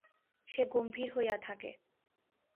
সে গম্ভীর হইয়া থাকে।